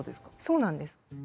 そうなんです。